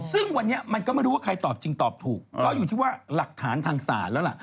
ซึ่งวันนี้มันก็ไม่รู้ว่าใครตอบจริงตอบถูกก็อยู่ที่ว่าหลักฐานทางศาลแล้วล่ะ